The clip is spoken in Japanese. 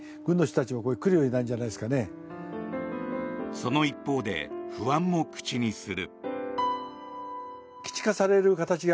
その一方で不安も口にする。